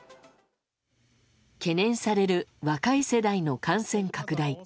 懸念される、若い世代の感染拡大。